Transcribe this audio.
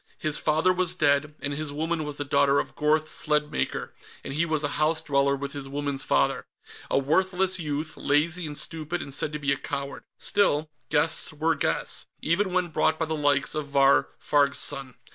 His father was dead, and his woman was the daughter of Gorth Sledmaker, and he was a house dweller with his woman's father. A worthless youth, lazy and stupid and said to be a coward. Still, guests were guests, even when brought by the likes of Vahr Farg's son.